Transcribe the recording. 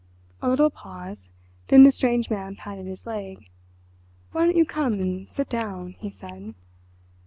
A little pause—then the strange man patted his leg. "Why don't you come and sit down?" he said.